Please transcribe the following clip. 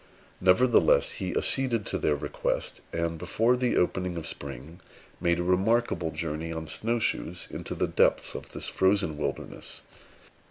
Nevertheless, he acceded to their request, and, before the opening of spring, made a remarkable journey on snow shoes into the depths of this frozen wilderness.